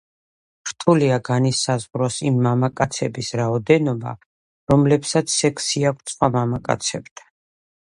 რთულია განისაზღვროს იმ მამაკაცების რაოდენობა, რომლებსაც სექსი აქვთ სხვა მამაკაცებთან.